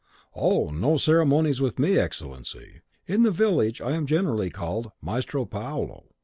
"Oh, no ceremonies with me, Excellency. In the village I am generally called Maestro Paolo.